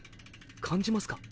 感じますか？